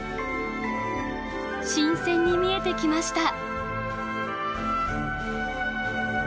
新鮮に見えてきました！